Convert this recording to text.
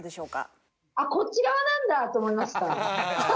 「あっこっち側なんだ！」と思いました。